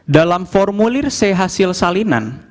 dalam formulir c hasil salinan